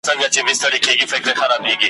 نه خو سل کلنه ده او نه زرکلنۍ `